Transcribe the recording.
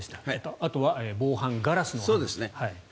あとは防犯ガラスのお話。